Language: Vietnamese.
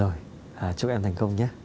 rồi chúc em thành công nhé